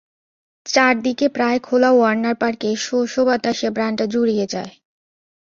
চারদিকে প্রায় খোলা ওয়ার্নার পার্কে শো শো বাতাসে প্রাণটা জুড়িয়ে যায়।